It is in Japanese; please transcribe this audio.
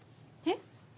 えっ？